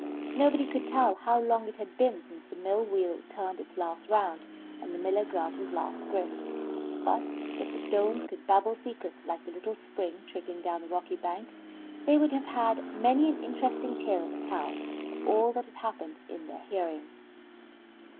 Nobody could tell how long it had been since the mill wheel turned its last round and the miller ground his last grist, but if the stones could babble secrets like the little spring, trickling down the rocky bank, they would have had many an interesting tale to tell of all that had happened in their hearing.